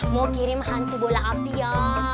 mau kirim hantu bola api ya